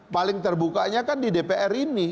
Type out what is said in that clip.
paling terbukanya kan di dpr ini